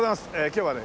今日はね